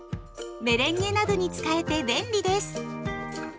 メレンゲなどに使えて便利です。